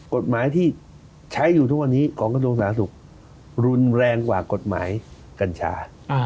กฎหมายที่ใช้อยู่ทุกวันนี้ของกระทรวงสาธารณสุขรุนแรงกว่ากฎหมายกัญชา